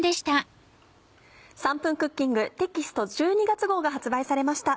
『３分クッキング』テキスト１２月号が発売されました。